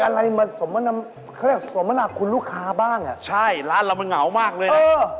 ใช่ร้านเรามีเหงามายมากเลย